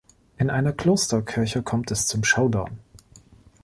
In einer Klosterkirche kommt es zum Showdown.